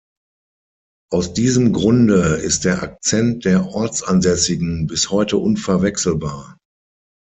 Aus diesem Grunde ist der Akzent der Ortsansässigen bis heute unverwechselbar.